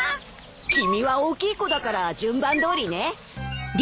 君は大きい子だから順番どおりね。